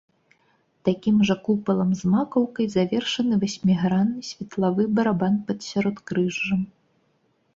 Такім жа купалам з макаўкай завершаны васьмігранны светлавы барабан над сяродкрыжжам.